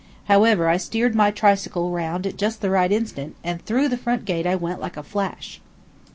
However, I steered my tricycle round at just the right instant, and through the front gate I went like a flash.